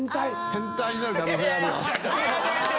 変態になる可能性あるよ。